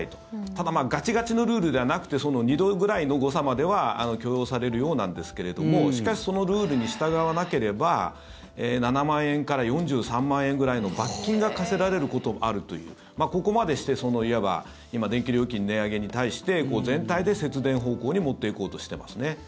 ただガチガチのルールではなくて２度ぐらいの誤差までは許容されるようなんですけれどもしかしそのルールに従わなければ７万円から４３万円ぐらいの罰金が科せられることもあるというここまでしていわば今電気料金の値上げに対して全体で節電方向に持っていこうとしていますね。